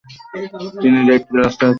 তিনি রেড ব্লাস্টারকে ধরে ফেলেছেন!